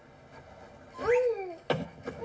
「うん！」